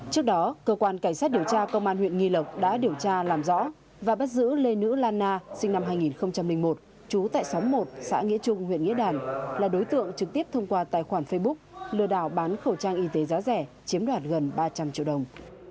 trước đó cơ quan cảnh sát điều tra công an huyện nghi lộc đã điều tra làm rõ và bắt giữ lê nữ lan na sinh năm hai nghìn một trú tại xóm một xã nghĩa trung huyện nghĩa đàn là đối tượng trực tiếp thông qua tài khoản facebook lừa đảo bán khẩu trang y tế giá rẻ chiếm đoạt gần ba trăm linh triệu đồng